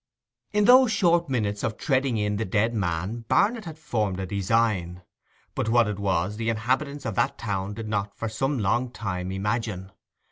In those short minutes of treading in the dead man Barnet had formed a design, but what it was the inhabitants of that town did not for some long time imagine.